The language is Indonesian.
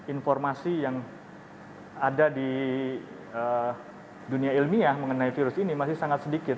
informasi yang ada di dunia ilmiah mengenai virus ini masih sangat sedikit